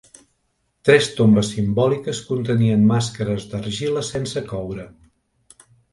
Tres tombes simbòliques contenien màscares d'argila sense coure.